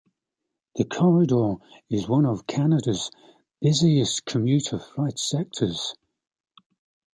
The corridor is one of Canada's busiest commuter flight sectors.